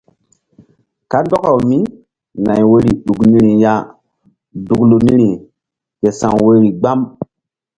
Kandɔkawmínay woyri ɗuk niri ya duklu niri ke sa̧w woyri gbam.